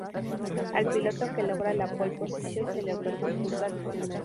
Al piloto que logra la "pole position" se le otorga un punto adicional.